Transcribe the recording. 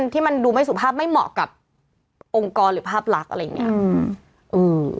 ที่มันดูไม่สุภาพไม่เหมาะกับองค์กรหรือภาพลักษณ์อะไรอย่างนี้